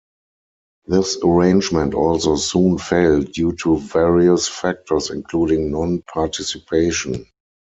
This arrangement also soon failed due to various factors including non-participation.